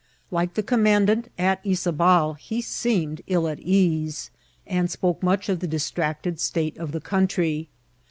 Like the commandant at Yzar bal, he seemed ill at ease, and spoke much of the dis tracted state of the country.